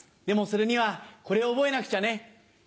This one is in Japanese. でもそれにはこれを覚えなくちゃね。